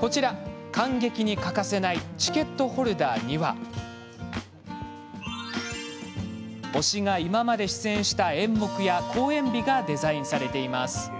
こちら、観劇に欠かせないチケットホルダーには推しが今まで出演した演目や公演日がデザインされています。